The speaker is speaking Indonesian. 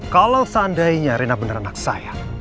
kalau seandainya rina benar anak saya